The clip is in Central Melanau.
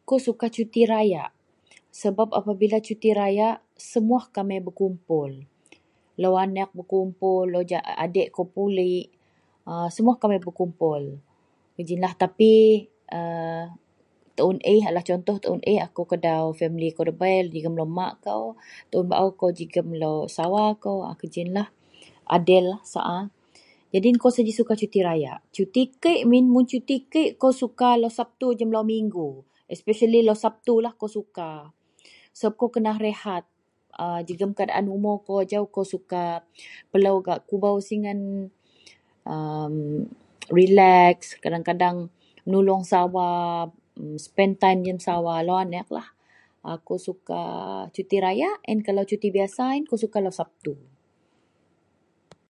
Ako suka cuti rayak sebab apabila cuti rayak semuwah kamei begupul lou anek begupul adek kou pulek semuwah kamei begupul neh tapi aa contoh taon eh akou kedau famili kou debei mak kou akou jegem sawa kou wak ji iyen lah adil jadi akou suka cuti rayak cuti kek min kou suka lau sabtu lau migu espesiali sabtu lah akou suka sebab akou kena rehat jegem keadaan umur kou suka melo gak kubo singeh relek kadang-kadang menolong sawa spend time jegem sawa lou anek akou suka cuti rayak cuti biasa lau sabtu.